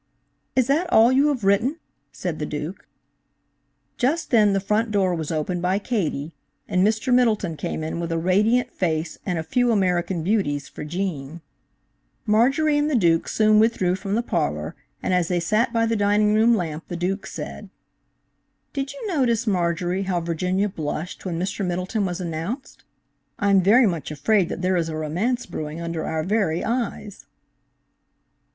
"Is that all you have written?" said the Duke. Just then the front door was opened by Katie, and Mr. Middleton came in with a radiant face and a few American Beauties for Gene. Marjorie and the Duke soon withdrew from the parlor, and as they sat by the dining room lamp, the Duke said : "Did you notice, Marjorie, how Virginia blushed when Mr. Middleton was announced? I'm very much afraid that there is a romance brewing under our very eyes."